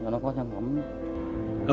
nó có sản phẩm đó